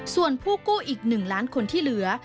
ส่วนผู้กู้อีก๑ล้านคนที่เหลือ